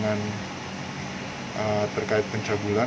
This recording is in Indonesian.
maupun pencabulan yang tidak terkait dengan pencabulan